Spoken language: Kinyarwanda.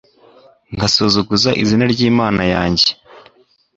ngasuzuguza izina ry’Imana yanjye